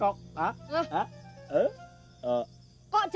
apa gak dalam beauty page kristi nicht